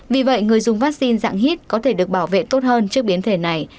vì vậy người dùng vaccine dạng hít có thể được bảo vệ tốt hơn trước biến thể này